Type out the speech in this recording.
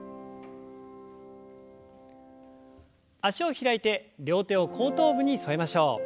脚を開いて両手を後頭部に添えましょう。